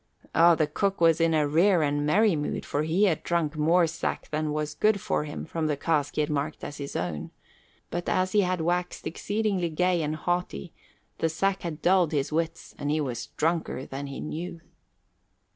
Oh, the cook was in a rare and merry mood, for he had drunk more sack than was good for him from the cask he had marked as his own; but as he had waxed exceeding gay and haughty, the sack had dulled his wits and he was drunker than he knew.